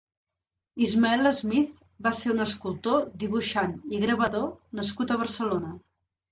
Ismael Smith va ser un escultor, dibuixant i gravador nascut a Barcelona.